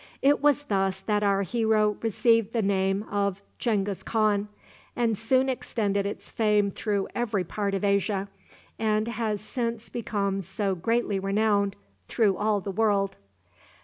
It was thus that our hero received the name of Genghis Khan, which soon extended its fame through every part of Asia, and has since become so greatly renowned through all the world.